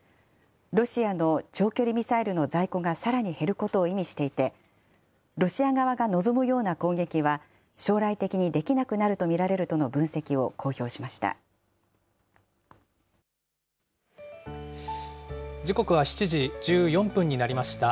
ロシアの長距離ミサイルの在庫がさらに減ることを意味していて、ロシア側が望むような攻撃は将来的にできなくなると見られるとの時刻は７時１４分になりました。